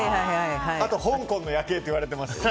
あと、香港の夜景って言われていますし。